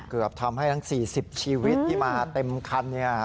เกือบทำให้ทั้ง๔๐ชีวิตที่มาเต็มคัน